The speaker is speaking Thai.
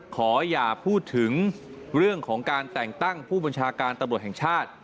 อย่าพูดถึงเรื่องของการแต่งตั้งผู้บัญชาการตำรวจแห่งชาติ